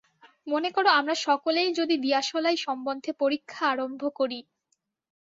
মনে করো আমরা সকলেই যদি দিয়াশলাই সম্বন্ধে পরীক্ষা আরম্ভ করি।